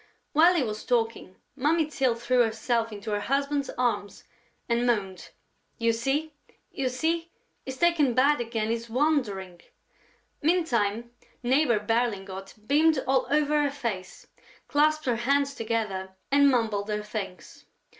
While he was talking, Mummy Tyl threw herself into her husband's arms and moaned: "You see?... You see?... He's taken bad again.... He's wandering...." Meantime, Neighbor Berlingot beamed all over her face, clasped her hands together and mumbled her thanks.